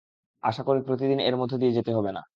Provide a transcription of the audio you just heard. আশা করি প্রতিদিন এর মধ্য দিয়ে যেতে হবে না।